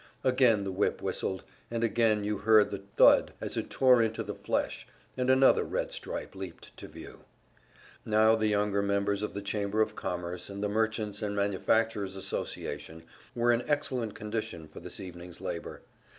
Again the whip whistled, and again you heard the thud as it tore into the flesh, and another red stripe leaped to view. Now the younger members of the Chamber of Commerce and the Merchants' and Manufacturers' Association were in excellent condition for this evening's labor.